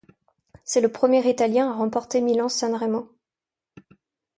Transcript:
C'est le premier Italien à remporter Milan-San Remo.